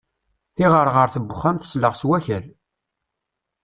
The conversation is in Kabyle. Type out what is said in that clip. Tiɣerɣert n uxxam tesleɣ s wakal.